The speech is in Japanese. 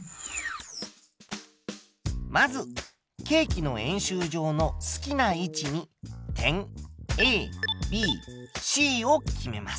まずケーキの円周上の好きな位置に点ＡＢＣを決めます。